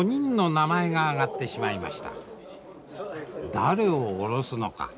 誰を降ろすのか。